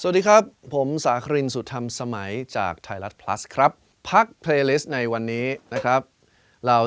ต้องก้าวกล่าย